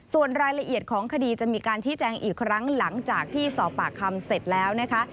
ส่วนรายละเอียดของคดีจะมีการชี้แจงอีกครั้งหลังจากที่สอบปากคำเสร็จแล้วนะคะ